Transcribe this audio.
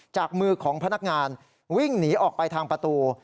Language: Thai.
จากมือของพนักงานวิ่งหนีออกไปทางประตู